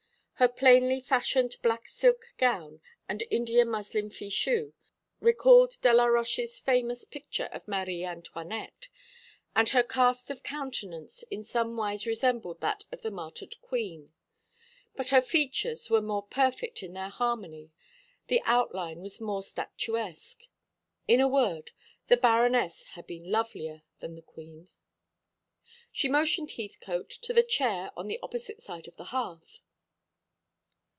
Her plainly fashioned black silk gown and India muslin fichu recalled Delaroche's famous picture of Marie Antoinette, and her cast of countenance in some wise resembled that of the martyred queen; but the features were more perfect in their harmony, the outline was more statuesque. In a word, the Baroness had been lovelier than the Queen. She motioned Heathcote to a chair on the opposite side of the hearth.